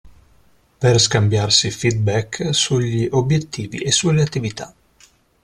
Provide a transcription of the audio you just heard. Per scambiarsi feedback sugli obiettivi e sulle attività.